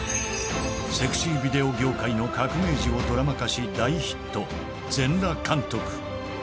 セクシービデオ業界の革命児をドラマ化し、大ヒット、全裸監督。